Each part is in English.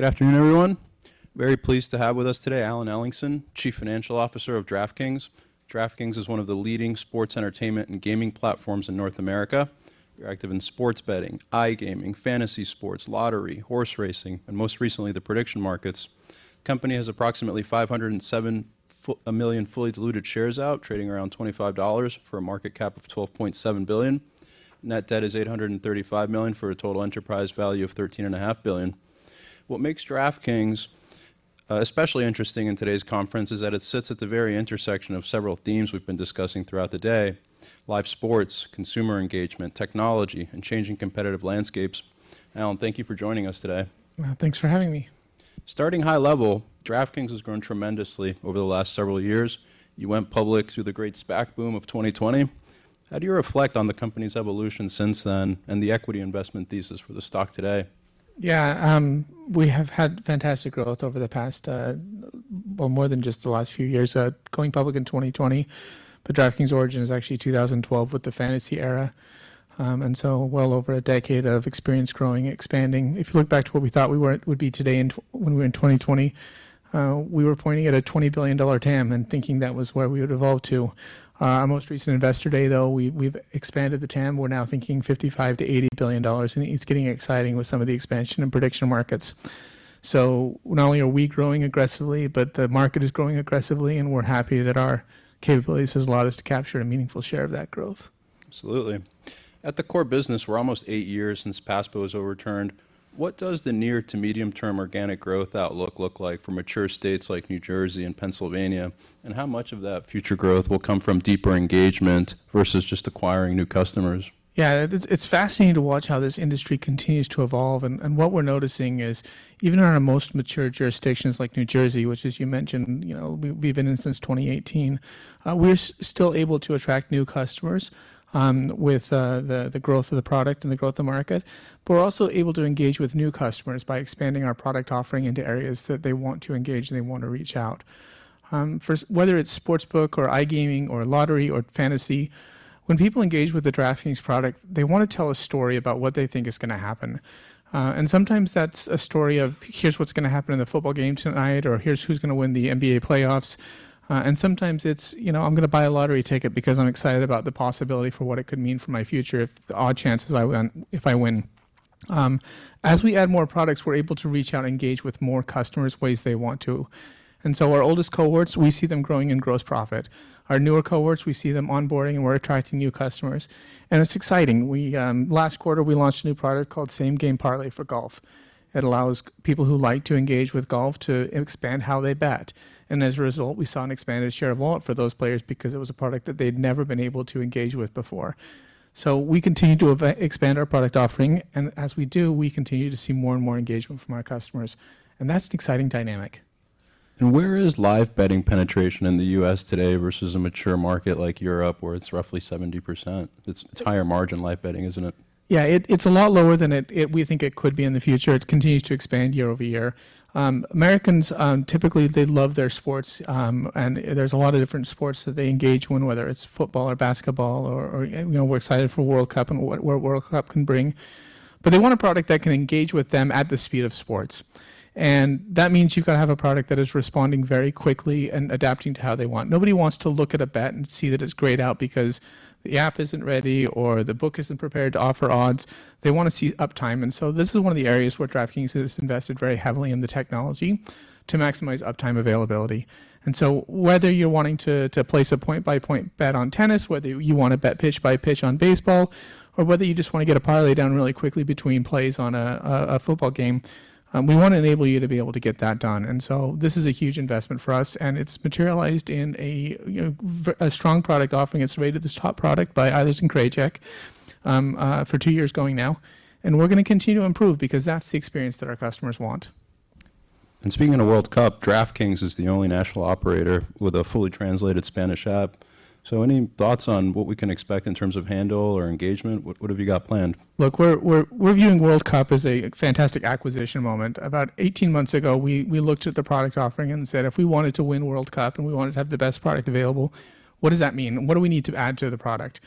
Good afternoon, everyone. Very pleased to have with us today Alan Ellingson, Chief Financial Officer of DraftKings. DraftKings is one of the leading sports entertainment and gaming platforms in North America. We're active in sports betting, iGaming, fantasy sports, lottery, horse racing, and most recently, the prediction markets. Company has approximately $507 million fully diluted shares out, trading around $25 for a market cap of $12.7 billion. Net debt is $835 million for a total enterprise value of $13.5 billion. What makes DraftKings especially interesting in today's conference is that it sits at the very intersection of several themes we've been discussing throughout the day: live sports, consumer engagement, technology, and changing competitive landscapes. Alan, thank you for joining us today. Well, thanks for having me. Starting high level, DraftKings has grown tremendously over the last several years. You went public through the great SPAC boom of 2020. How do you reflect on the company's evolution since then and the equity investment thesis for the stock today? Yeah. We have had fantastic growth over the past, well, more than just the last few years. Going public in 2020, DraftKings' origin is actually 2012 with the fantasy era. Well over a decade of experience growing, expanding. If you look back to what we thought we would be today when we were in 2020, we were pointing at a $20 billion TAM and thinking that was where we would evolve to. Our most recent investor day, though, we've expanded the TAM. We're now thinking $55 billion-$80 billion, and it's getting exciting with some of the expansion in prediction markets. Not only are we growing aggressively, but the market is growing aggressively, and we're happy that our capabilities has allowed us to capture a meaningful share of that growth. Absolutely. At the core business, we're almost eight years since PASPA was overturned. What does the near to medium-term organic growth outlook look like for mature states like New Jersey and Pennsylvania? How much of that future growth will come from deeper engagement versus just acquiring new customers? Yeah. It's fascinating to watch how this industry continues to evolve and what we're noticing is even in our most mature jurisdictions like New Jersey, which as you mentioned, we've been in since 2018, we're still able to attract new customers with the growth of the product and the growth of the market. We're also able to engage with new customers by expanding our product offering into areas that they want to engage and they want to reach out. Whether it's sportsbook or iGaming or lottery or fantasy, when people engage with the DraftKings product, they want to tell a story about what they think is going to happen. Sometimes that's a story of, "Here's what's going to happen in the football game tonight," or, "Here's who's going to win the NBA playoffs." Sometimes it's, "I'm going to buy a lottery ticket because I'm excited about the possibility for what it could mean for my future if the odd chances if I win." As we add more products, we're able to reach out, engage with more customers ways they want to. Our oldest cohorts, we see them growing in gross profit. Our newer cohorts, we see them onboarding and we're attracting new customers, and it's exciting. Last quarter, we launched a new product called Same Game Parlay for Golf. It allows people who like to engage with golf to expand how they bet. As a result, we saw an expanded share of wallet for those players because it was a product that they'd never been able to engage with before. We continue to expand our product offering, and as we do, we continue to see more and more engagement from our customers, and that's an exciting dynamic. Where is live betting penetration in the U.S. today versus a mature market like Europe, where it's roughly 70%? It's higher margin, live betting, isn't it? Yeah. It's a lot lower than we think it could be in the future. It continues to expand year-over-year. Americans, typically, they love their sports, and there's a lot of different sports that they engage in, whether it's football or basketball or we're excited for World Cup and what World Cup can bring. They want a product that can engage with them at the speed of sports, and that means you've got to have a product that is responding very quickly and adapting to how they want. Nobody wants to look at a bet and see that it's grayed out because the app isn't ready or the book isn't prepared to offer odds. They want to see uptime, and so this is one of the areas where DraftKings has invested very heavily in the technology to maximize uptime availability. Whether you're wanting to place a point-by-point bet on tennis, whether you want to bet pitch by pitch on baseball, or whether you just want to get a parlay down really quickly between plays on a football game, we want to enable you to be able to get that done. This is a huge investment for us, and it's materialized in a strong product offering. It's rated as top product by Eilers & Krejcik for two years going now. We're going to continue to improve because that's the experience that our customers want. Speaking of World Cup, DraftKings is the only national operator with a fully translated Spanish app. Any thoughts on what we can expect in terms of handle or engagement? What have you got planned? Look, we're viewing World Cup as a fantastic acquisition moment. About 18 months ago, we looked at the product offering and said, "If we wanted to win World Cup and we wanted to have the best product available," what does that mean? What do we need to add to the product?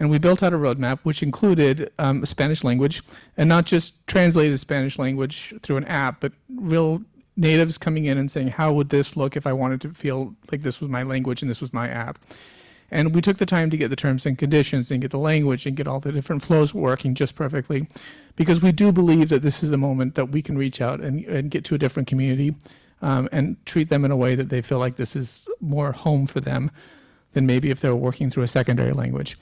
We built out a roadmap, which included Spanish language, not just translated Spanish language through an app, but real natives coming in and saying, "How would this look if I wanted to feel like this was my language and this was my app?" We took the time to get the terms and conditions and get the language and get all the different flows working just perfectly because we do believe that this is a moment that we can reach out and get to a different community, and treat them in a way that they feel like this is more home for them than maybe if they were working through a secondary language.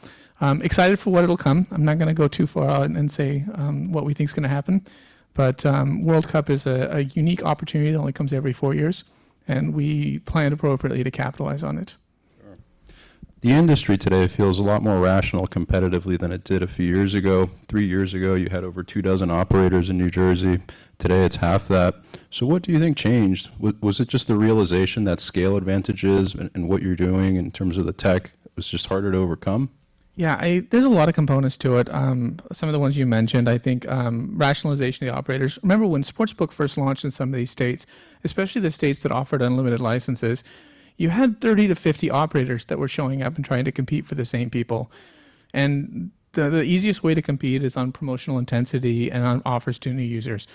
Excited for what will come. I'm not going to go too far out and say what we think is going to happen, but World Cup is a unique opportunity that only comes every four years, and we plan appropriately to capitalize on it. Sure. The industry today feels a lot more rational competitively than it did a few years ago. Three years ago, you had over two dozen operators in New Jersey. Today, it's half that. What do you think changed? Was it just the realization that scale advantages in what you're doing in terms of the tech was just harder to overcome? Yeah. There's a lot of components to it. Some of the ones you mentioned, I think, rationalization of the operators. Remember when sportsbook first launched in some of these states, especially the states that offered unlimited licenses, you had 30-50 operators that were showing up and trying to compete for the same people. The easiest way to compete is on promotional intensity and on offers to new users.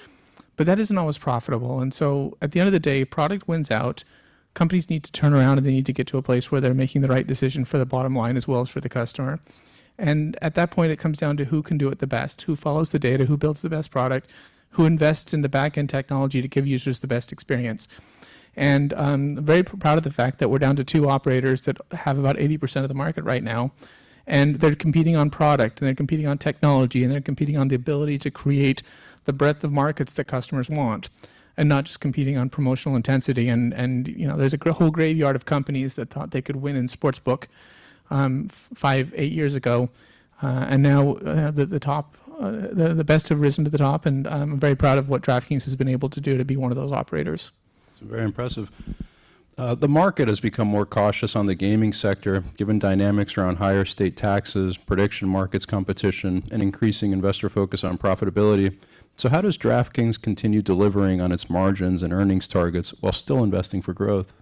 That isn't always profitable. At the end of the day, product wins out, companies need to turn around, and they need to get to a place where they're making the right decision for the bottom line as well as for the customer. At that point, it comes down to who can do it the best, who follows the data, who builds the best product, who invests in the back-end technology to give users the best experience. I'm very proud of the fact that we're down to two operators that have about 80% of the market right now, and they're competing on product, and they're competing on technology, and they're competing on the ability to create the breadth of markets that customers want, and not just competing on promotional intensity. There's a whole graveyard of companies that thought they could win in sportsbook five, eight years ago. Now the best have risen to the top, and I'm very proud of what DraftKings has been able to do to be one of those operators. That's very impressive. The market has become more cautious on the gaming sector, given dynamics around higher state taxes, prediction markets competition, and increasing investor focus on profitability. How does DraftKings continue delivering on its margins and earnings targets while still investing for growth?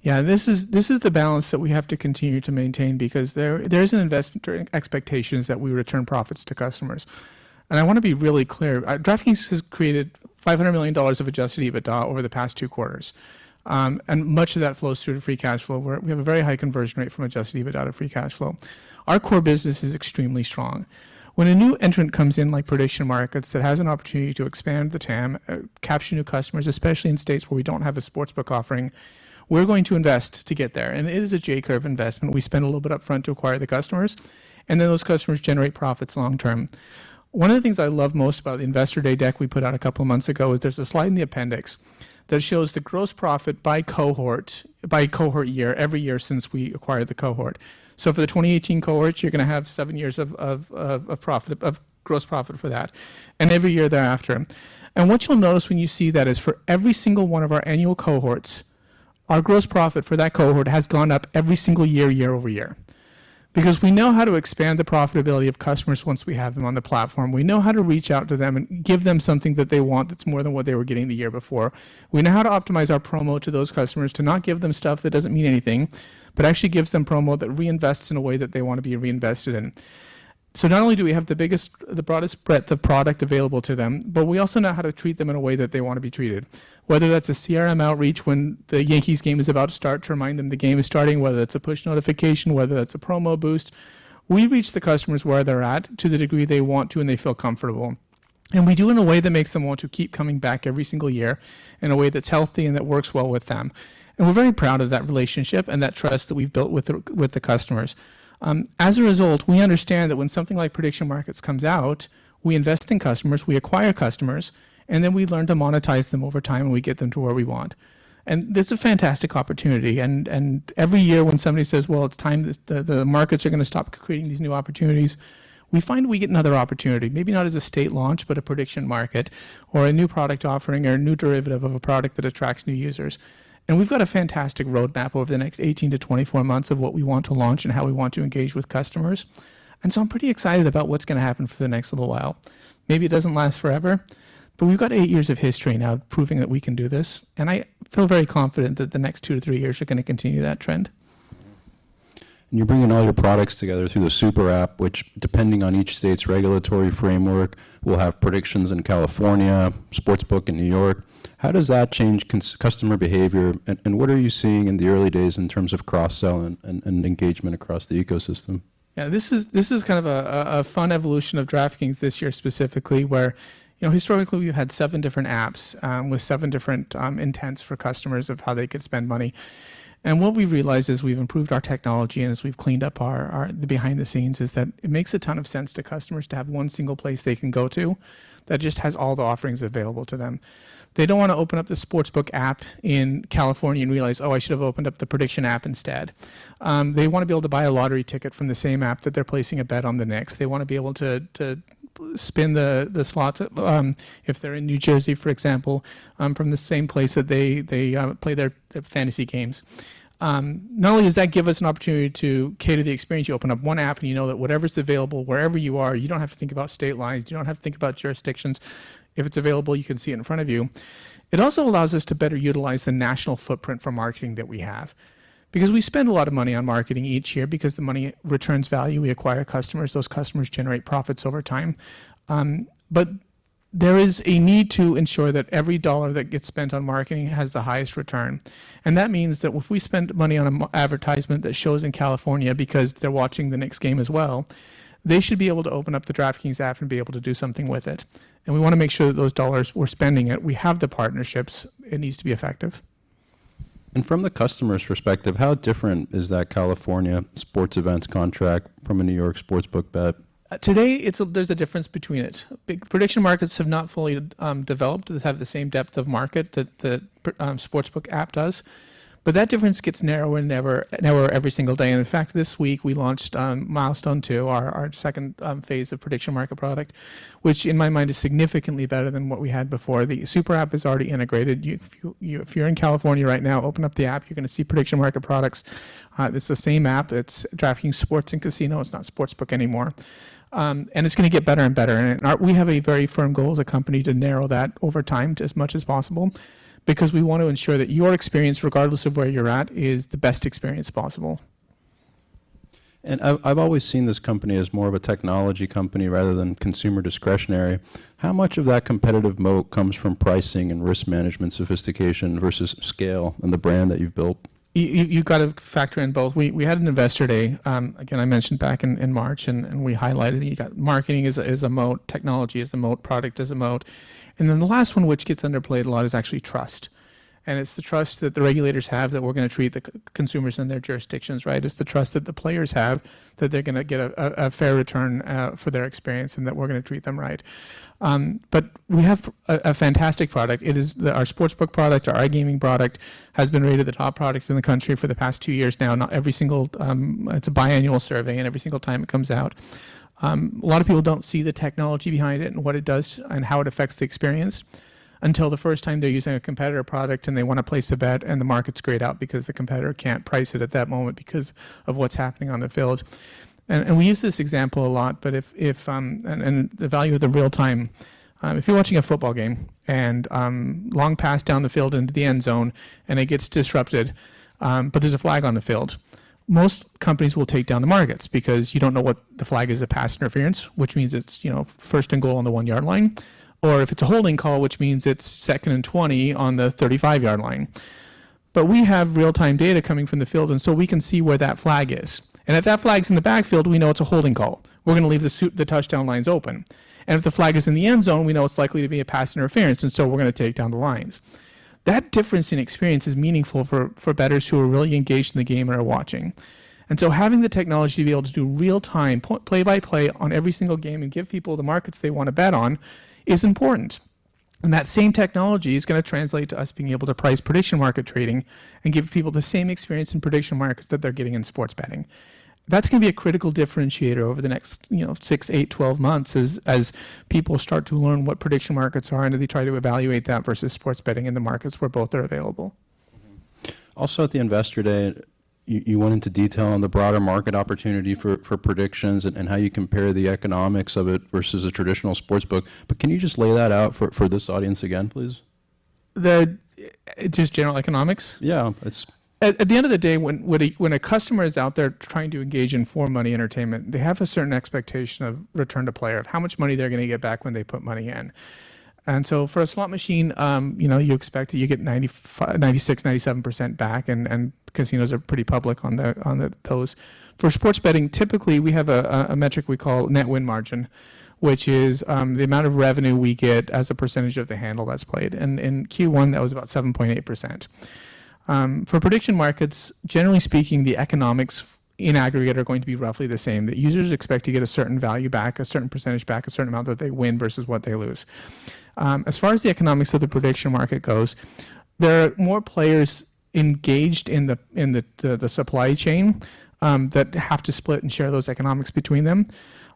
Yeah. This is the balance that we have to continue to maintain because there's an investor expectations that we return profits to customers. I want to be really clear. DraftKings has created $500 million of adjusted EBITDA over the past two quarters, and much of that flows through to free cash flow, where we have a very high conversion rate from adjusted EBITDA to free cash flow. Our core business is extremely strong. When a new entrant comes in, like prediction markets, that has an opportunity to expand the TAM, capture new customers, especially in states where we don't have a sportsbook offering, we're going to invest to get there. It is a J-curve investment. We spend a little bit upfront to acquire the customers, and then those customers generate profits long term. One of the things I love most about the Investor Day deck we put out a couple of months ago is there's a slide in the appendix that shows the gross profit by cohort year every year since we acquired the cohort. For the 2018 cohorts, you're going to have seven years of gross profit for that and every year thereafter. What you'll notice when you see that is for every single one of our annual cohorts, our gross profit for that cohort has gone up every single year-over-year. Because we know how to expand the profitability of customers once we have them on the platform. We know how to reach out to them and give them something that they want that's more than what they were getting the year before. We know how to optimize our promo to those customers to not give them stuff that doesn't mean anything, but actually gives them promo that reinvests in a way that they want to be reinvested in. Not only do we have the broadest breadth of product available to them, but we also know how to treat them in a way that they want to be treated, whether that's a CRM outreach when the Yankees game is about to start to remind them the game is starting, whether that's a push notification, whether that's a promo boost. We reach the customers where they're at to the degree they want to and they feel comfortable. We do in a way that makes them want to keep coming back every single year in a way that's healthy and that works well with them. We're very proud of that relationship and that trust that we've built with the customers. As a result, we understand that when something like prediction markets comes out, we invest in customers, we acquire customers, and then we learn to monetize them over time, and we get them to where we want. That's a fantastic opportunity. Every year when somebody says, "Well, it's time. The markets are going to stop creating these new opportunities," we find we get another opportunity, maybe not as a state launch, but a prediction market or a new product offering or a new derivative of a product that attracts new users. We've got a fantastic roadmap over the next 18-24 months of what we want to launch and how we want to engage with customers. I'm pretty excited about what's going to happen for the next little while. Maybe it doesn't last forever. We've got eight years of history now proving that we can do this. I feel very confident that the next two to three years are going to continue that trend. You're bringing all your products together through the super app, which depending on each state's regulatory framework, will have predictions in California, sportsbook in New York. How does that change customer behavior, and what are you seeing in the early days in terms of cross-selling and engagement across the ecosystem? Yeah. This is kind of a fun evolution of DraftKings this year specifically, where historically we've had seven different apps with seven different intents for customers of how they could spend money. What we've realized as we've improved our technology and as we've cleaned up the behind the scenes is that it makes a ton of sense to customers to have one single place they can go to that just has all the offerings available to them. They don't want to open up the sportsbook app in California and realize, "Oh, I should've opened up the prediction app instead." They want to be able to buy a lottery ticket from the same app that they're placing a bet on the Knicks. They want to be able to spin the slots if they're in New Jersey, for example, from the same place that they play their fantasy games. Not only does that give us an opportunity to cater the experience, you open up one app and you know that whatever's available wherever you are, you don't have to think about state lines. You don't have to think about jurisdictions. If it's available, you can see it in front of you. It also allows us to better utilize the national footprint for marketing that we have. We spend a lot of money on marketing each year because the money returns value. We acquire customers. Those customers generate profits over time. There is a need to ensure that every dollar that gets spent on marketing has the highest return, and that means that if we spend money on an advertisement that shows in California because they're watching the Knicks game as well, they should be able to open up the DraftKings app and be able to do something with it. We want to make sure that those dollars we're spending it, we have the partnerships, it needs to be effective. From the customer's perspective, how different is that California sports events contract from a New York sportsbook bet? Today, there's a difference between it. Prediction markets have not fully developed to have the same depth of market that the sportsbook app does, but that difference gets narrower and narrower every single day. In fact, this week we launched milestone 2, our second phase of prediction market product, which in my mind is significantly better than what we had before. The super app is already integrated. If you're in California right now, open up the app, you're going to see prediction market products. It's the same app. It's DraftKings' Sports & Casino. It's not sportsbook anymore. It's going to get better and better. We have a very firm goal as a company to narrow that over time as much as possible because we want to ensure that your experience, regardless of where you're at, is the best experience possible. I've always seen this company as more of a technology company rather than consumer discretionary. How much of that competitive moat comes from pricing and risk management sophistication versus scale and the brand that you've built? You've got to factor in both. We had an Investor Day, again, I mentioned back in March, we highlighted, you got marketing is a moat, technology is a moat, product is a moat. The last one which gets underplayed a lot is actually trust. It's the trust that the regulators have that we're going to treat the consumers in their jurisdictions right. It's the trust that the players have that they're going to get a fair return for their experience and that we're going to treat them right. We have a fantastic product. Our sports book product, our iGaming product has been rated the top product in the country for the past two years now. It's a biannual survey, every single time it comes out. A lot of people don't see the technology behind it and what it does and how it affects the experience until the first time they're using a competitor product and they want to place a bet and the market's grayed out because the competitor can't price it at that moment because of what's happening on the field. We use this example a lot, and the value of the real-time. If you're watching a football game and, long pass down the field into the end zone and it gets disrupted, but there's a flag on the field, most companies will take down the markets because you don't know what the flag is, a pass interference, which means it's first and goal on the one-yard line, or if it's a holding call, which means it's second and 20 on the 35-yard line. We have real-time data coming from the field, we can see where that flag is. If that flag's in the backfield, we know it's a holding call. We're going to leave the touchdown lines open. If the flag is in the end zone, we know it's likely to be a pass interference, we're going to take down the lines. That difference in experience is meaningful for bettors who are really engaged in the game and are watching. Having the technology to be able to do real-time play-by-play on every single game and give people the markets they want to bet on is important. That same technology is going to translate to us being able to price prediction market trading and give people the same experience in prediction markets that they're getting in sports betting. That's going to be a critical differentiator over the next, six, eight, 12 months as people start to learn what prediction markets are and they try to evaluate that versus sports betting in the markets where both are available. Also at the Investor Day, you went into detail on the broader market opportunity for predictions and how you compare the economics of it versus a traditional sportsbook. Can you just lay that out for this audience again, please? Just general economics? Yeah. At the end of the day, when a customer is out there trying to engage in for money entertainment, they have a certain expectation of return to player, of how much money they're going to get back when they put money in. For a slot machine, you expect to get 96%, 97% back, and casinos are pretty public on those. For sports betting, typically, we have a metric we call net win margin, which is the amount of revenue we get as a percentage of the handle that's played. In Q1, that was about 7.8%. For prediction markets, generally speaking, the economics in aggregate are going to be roughly the same, that users expect to get a certain value back, a certain percentage back, a certain amount that they win versus what they lose. As far as the economics of the prediction market goes, there are more players engaged in the supply chain, that have to split and share those economics between them.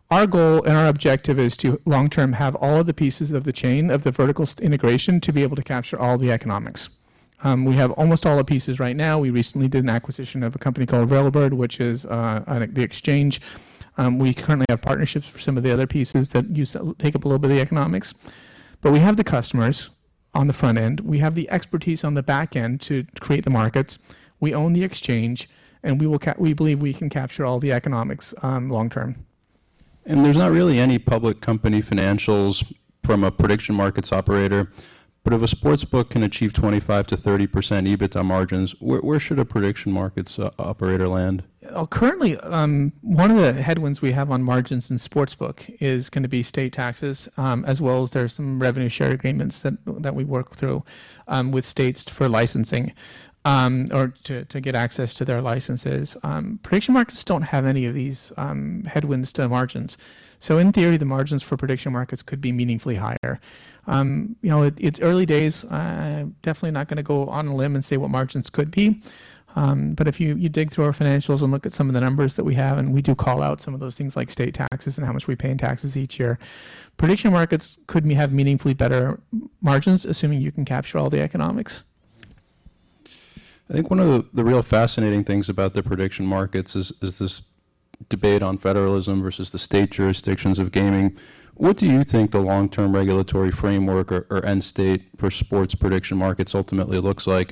Our goal and our objective is to long-term have all of the pieces of the chain of the vertical integration to be able to capture all the economics. We have almost all the pieces right now. We recently did an acquisition of a company called Railbird, which is the exchange. We currently have partnerships for some of the other pieces that take up a little bit of the economics. We have the customers on the front end, we have the expertise on the back end to create the markets. We own the exchange, we believe we can capture all the economics long term. There's not really any public company financials from a prediction markets operator. If a sportsbook can achieve 25%-30% EBITDA margins, where should a prediction markets operator land? Currently, one of the headwinds we have on margins in sports book is going to be state taxes, as well as there are some revenue share agreements that we work through, with states for licensing, or to get access to their licenses. Prediction markets don't have any of these headwinds to margins. In theory, the margins for prediction markets could be meaningfully higher. It's early days. Definitely not going to go on a limb and say what margins could be. If you dig through our financials and look at some of the numbers that we have, and we do call out some of those things like state taxes and how much we pay in taxes each year. Prediction markets could have meaningfully better margins, assuming you can capture all the economics. I think one of the real fascinating things about the prediction markets is this debate on federalism versus the state jurisdictions of gaming. What do you think the long-term regulatory framework or end state for sports prediction markets ultimately looks like?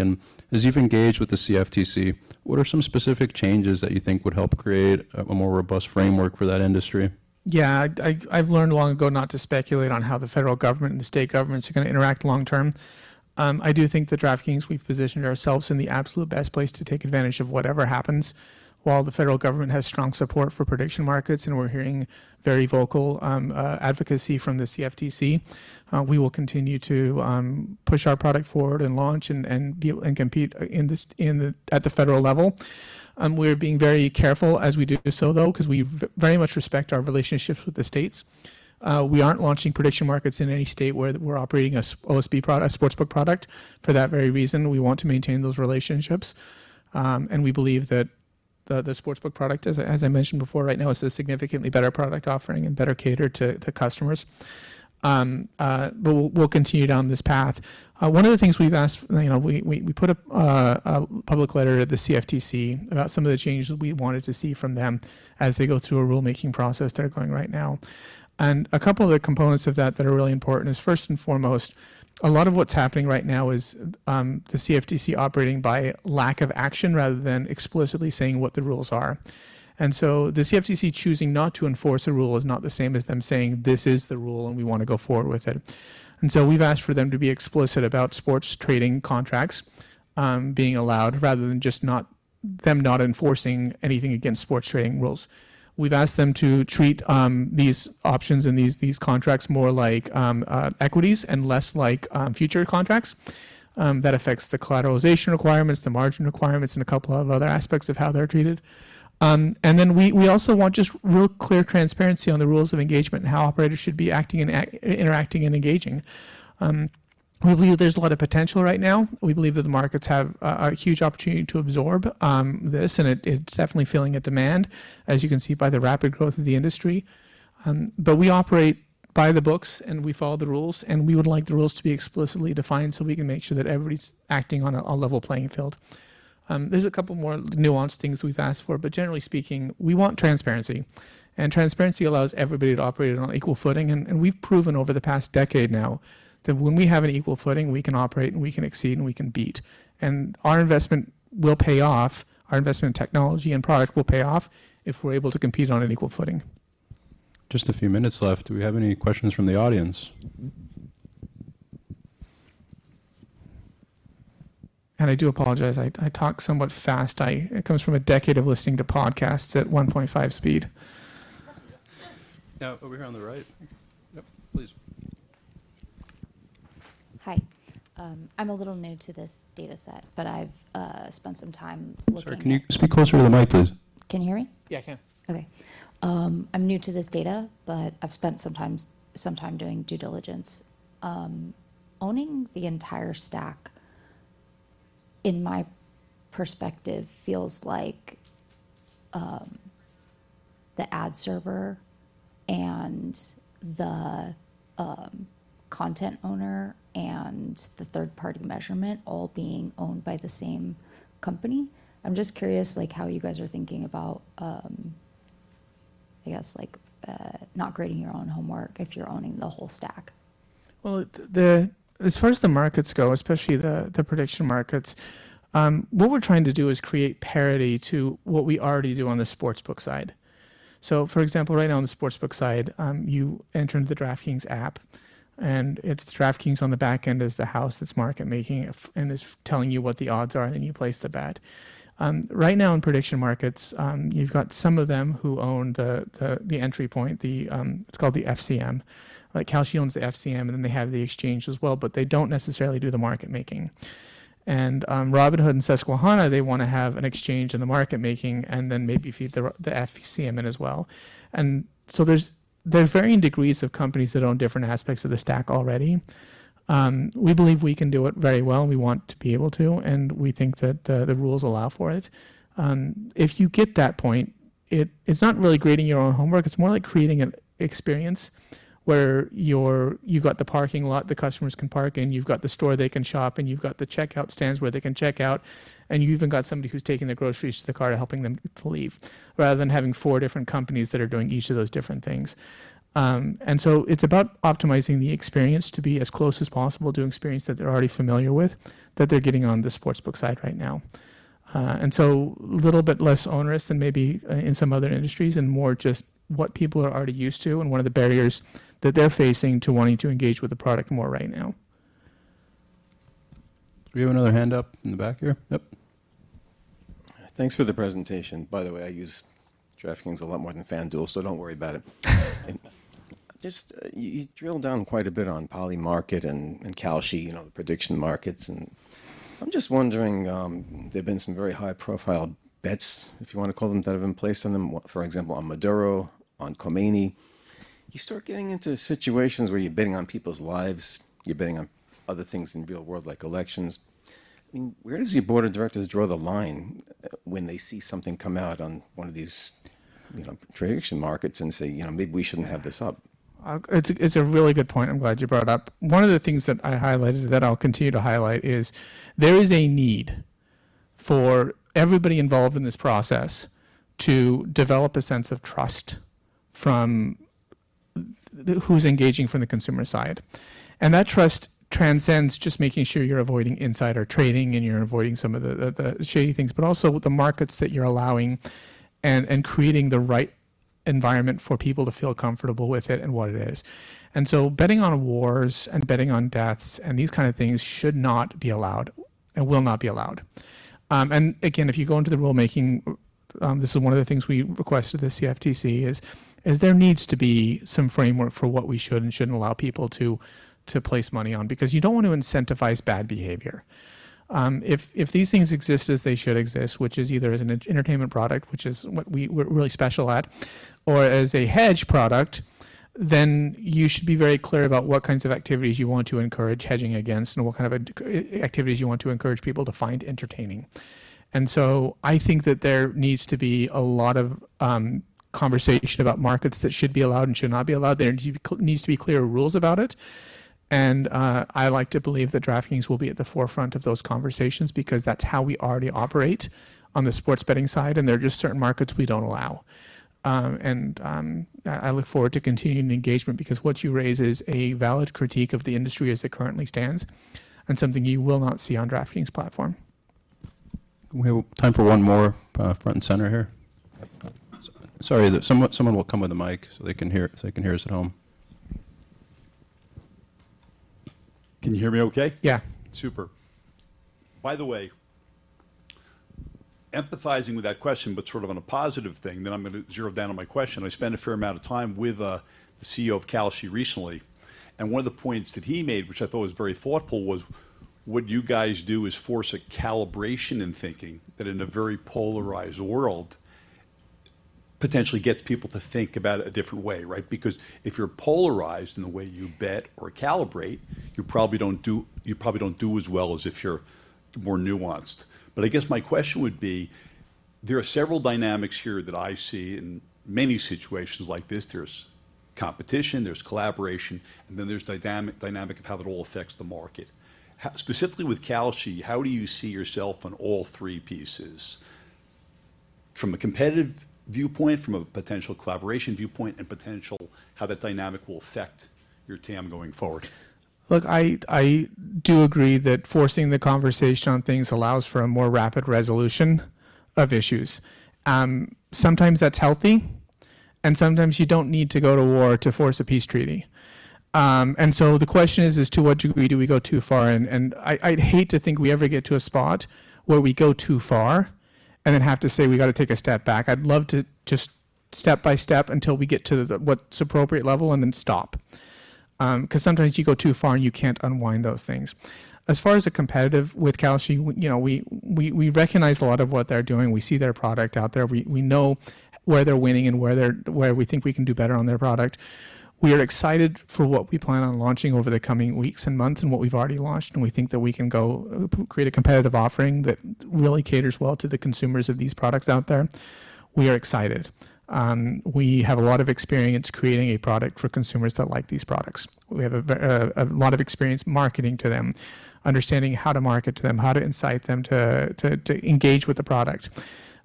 As you've engaged with the CFTC, what are some specific changes that you think would help create a more robust framework for that industry? Yeah. I've learned long ago not to speculate on how the federal government and the state governments are going to interact long term. I do think that DraftKings, we've positioned ourselves in the absolute best place to take advantage of whatever happens. While the federal government has strong support for prediction markets and we're hearing very vocal advocacy from the CFTC, we will continue to push our product forward and launch and compete at the federal level. We're being very careful as we do so, though, because we very much respect our relationships with the states. We aren't launching prediction markets in any state where we're operating a sportsbook product for that very reason. We want to maintain those relationships. We believe that the sportsbook product, as I mentioned before, right now is a significantly better product offering and better catered to the customers. We'll continue down this path. One of the things we've asked, we put a public letter to the CFTC about some of the changes we wanted to see from them as they go through a rulemaking process they're going right now. A couple of the components of that that are really important is, first and foremost, a lot of what's happening right now is the CFTC operating by lack of action rather than explicitly saying what the rules are. The CFTC choosing not to enforce a rule is not the same as them saying, "This is the rule, and we want to go forward with it." We've asked for them to be explicit about sports trading contracts being allowed rather than just them not enforcing anything against sports trading rules. We've asked them to treat these options and these contracts more like equities and less like future contracts. That affects the collateralization requirements, the margin requirements, and a couple of other aspects of how they're treated. We also want just real clear transparency on the rules of engagement and how operators should be interacting and engaging. We believe there's a lot of potential right now. We believe that the markets have a huge opportunity to absorb this, and it's definitely filling a demand, as you can see by the rapid growth of the industry. We operate by the books, and we follow the rules, and we would like the rules to be explicitly defined so we can make sure that everybody's acting on a level playing field. There's a couple more nuanced things we've asked for, but generally speaking, we want transparency, and transparency allows everybody to operate on equal footing. We've proven over the past decade now that when we have an equal footing, we can operate, and we can exceed, and we can beat. Our investment will pay off, our investment in technology and product will pay off if we're able to compete on an equal footing. Just a few minutes left. Do we have any questions from the audience? I do apologize, I talk somewhat fast. It comes from a decade of listening to podcasts at 1.5 speed. Yeah. Over here on the right. Yep, please. Hi. I'm a little new to this data set, but I've spent some time looking. I'm sorry, can you speak closer to the mic, please? Can you hear me? Yeah, I can. Okay. I'm new to this data, but I've spent some time doing due diligence. Owning the entire stack, in my perspective, feels like the ad server and the content owner and the third-party measurement all being owned by the same company. I'm just curious, how you guys are thinking about, I guess, not grading your own homework if you're owning the whole stack. Well, as far as the markets go, especially the prediction markets, what we're trying to do is create parity to what we already do on the sportsbook side. For example, right now on the sportsbook side, you enter into the DraftKings app, and DraftKings on the back end is the house that's market making and is telling you what the odds are, and then you place the bet. Right now in prediction markets, you've got some of them who own the entry point, it's called the FCM. Like Kalshi owns the FCM, and then they have the exchange as well, but they don't necessarily do the market making. Robinhood and Susquehanna, they want to have an exchange in the market making and then maybe feed the FCM in as well. There's varying degrees of companies that own different aspects of the stack already. We believe we can do it very well, and we want to be able to, and we think that the rules allow for it. If you get that point, it's not really grading your own homework. It's more like creating an experience where you've got the parking lot the customers can park in, you've got the store they can shop in, you've got the checkout stands where they can check out, and you've even got somebody who's taking their groceries to the car helping them to leave, rather than having four different companies that are doing each of those different things. It's about optimizing the experience to be as close as possible to experience that they're already familiar with, that they're getting on the sportsbook side right now. A little bit less onerous than maybe in some other industries and more just what people are already used to and what are the barriers that they're facing to wanting to engage with the product more right now. Do we have another hand up in the back here? Yep. Thanks for the presentation. By the way, I use DraftKings a lot more than FanDuel, so don't worry about it. Just you drilled down quite a bit on Polymarket and Kalshi, the prediction markets, and I'm just wondering, there have been some very high-profile bets, if you want to call them, that have been placed on them, for example, on Maduro, on Khamenei. You start getting into situations where you're betting on people's lives, you're betting on other things in real world like elections. Where does your board of directors draw the line when they see something come out on one of these prediction markets and say, "Maybe we shouldn't have this up?" It's a really good point. I'm glad you brought it up. One of the things that I highlighted that I'll continue to highlight is there is a need for everybody involved in this process to develop a sense of trust from who's engaging from the consumer side. That trust transcends just making sure you're avoiding insider trading and you're avoiding some of the shady things, but also the markets that you're allowing and creating the right environment for people to feel comfortable with it and what it is. Betting on wars and betting on deaths and these kind of things should not be allowed and will not be allowed. Again, if you go into the rulemaking, this is one of the things we request of the CFTC is there needs to be some framework for what we should and shouldn't allow people to place money on because you don't want to incentivize bad behavior. If these things exist as they should exist, which is either as an entertainment product, which is what we're really special at, or as a hedge product, then you should be very clear about what kinds of activities you want to encourage hedging against and what kind of activities you want to encourage people to find entertaining. I think that there needs to be a lot of conversation about markets that should be allowed and should not be allowed. There needs to be clearer rules about it, and I like to believe that DraftKings will be at the forefront of those conversations because that's how we already operate on the sports betting side, and there are just certain markets we don't allow. I look forward to continuing the engagement because what you raise is a valid critique of the industry as it currently stands and something you will not see on DraftKings' platform. We have time for one more front and center here. Sorry, someone will come with a mic so they can hear us at home. Can you hear me okay? Yeah. Super. By the way, empathizing with that question, sort of on a positive thing, I'm going to zero down on my question. I spent a fair amount of time with the CEO of Kalshi recently. One of the points that he made, which I thought was very thoughtful, was what you guys do is force a calibration in thinking that in a very polarized world, potentially gets people to think about it a different way, right? Because if you're polarized in the way you bet or calibrate, you probably don't do as well as if you're more nuanced. I guess my question would be, there are several dynamics here that I see in many situations like this. There's competition, there's collaboration. Then there's the dynamic of how that all affects the market. Specifically with Kalshi, how do you see yourself on all three pieces? From a competitive viewpoint, from a potential collaboration viewpoint, potential how that dynamic will affect your TAM going forward? Look, I do agree that forcing the conversation on things allows for a more rapid resolution of issues. Sometimes that's healthy, and sometimes you don't need to go to war to force a peace treaty. The question is, to what degree do we go too far? I'd hate to think we ever get to a spot where we go too far and then have to say we got to take a step back. I'd love to just step by step until we get to what's appropriate level and then stop. Sometimes you go too far and you can't unwind those things. As far as a competitive with Kalshi, we recognize a lot of what they're doing. We see their product out there. We know where they're winning and where we think we can do better on their product. We are excited for what we plan on launching over the coming weeks and months and what we've already launched, and we think that we can go create a competitive offering that really caters well to the consumers of these products out there. We are excited. We have a lot of experience creating a product for consumers that like these products. We have a lot of experience marketing to them, understanding how to market to them, how to incite them to engage with the product.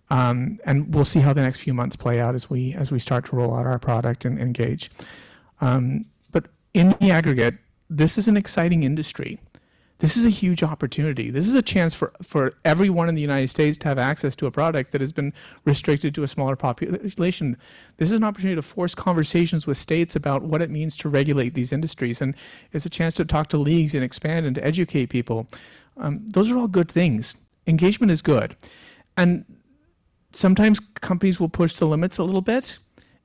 We'll see how the next few months play out as we start to roll out our product and engage. In the aggregate, this is an exciting industry. This is a huge opportunity. This is a chance for everyone in the U.S. to have access to a product that has been restricted to a smaller population. This is an opportunity to force conversations with states about what it means to regulate these industries, it's a chance to talk to leagues and expand and to educate people. Those are all good things. Engagement is good. Sometimes companies will push the limits a little bit,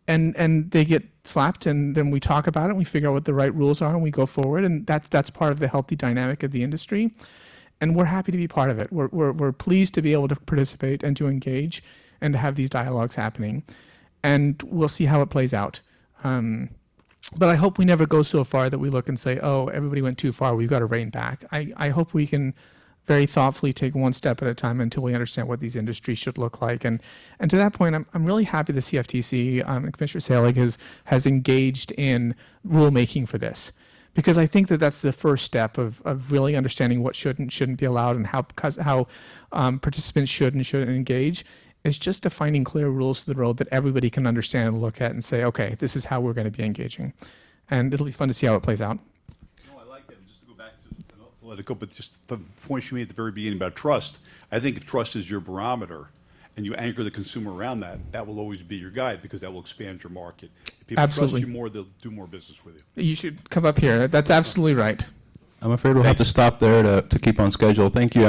and they get slapped, and then we talk about it, and we figure out what the right rules are, and we go forward. That's part of the healthy dynamic of the industry, and we're happy to be part of it. We're pleased to be able to participate and to engage and to have these dialogues happening. We'll see how it plays out. I hope we never go so far that we look and say, "Oh, everybody went too far. We've got to rein back." I hope we can very thoughtfully take one step at a time until we understand what these industries should look like. To that point, I'm really happy the CFTC, the Commission itself has engaged in rulemaking for this because I think that that's the first step of really understanding what should and shouldn't be allowed and how participants should and shouldn't engage. Is just defining clear rules of the road that everybody can understand and look at and say, "Okay, this is how we're going to be engaging." It'll be fun to see how it plays out. No, I like that. Just to go back, just to let it go. Just the point you made at the very beginning about trust. I think if trust is your barometer and you anchor the consumer around that will always be your guide because that will expand your market. Absolutely. If they trust you more, they'll do more business with you. You should come up here. That's absolutely right. I'm afraid we'll have to stop there to keep on schedule. Thank you.